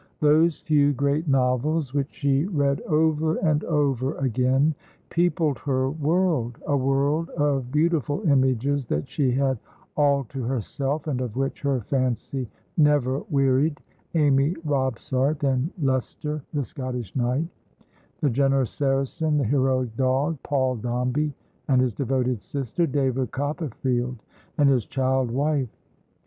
Those few great novels which she read over and over again peopled her world, a world of beautiful images that she had all to herself, and of which her fancy never wearied Amy Robsart and Leicester, the Scottish Knight, the generous Saracen, the heroic dog, Paul Dombey and his devoted sister, David Copperfield and his child wife.